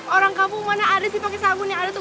orang kampung mana ada sih pakai sabun yang ada tuh